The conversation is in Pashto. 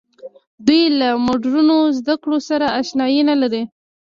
دوی له مډرنو زده کړو سره اشنايي نه لري.